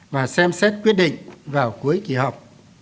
và xem xét quyết định vào cuối kỳ học